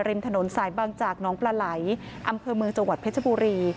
ริมถนนสายบางจากน้องปลาไหลอำเภอเมืองจังหวัดเพชรบุรี